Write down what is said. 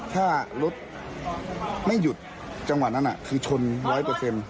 ถ้ารถไม่หยุดจังหวะนั้นคือชนร้อยเปอร์เซ็นต์